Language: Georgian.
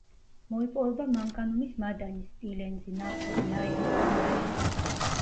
მოიპოვება მანგანუმის მადანი, სპილენძი, ნავთობი, აირი, ქვამარილი.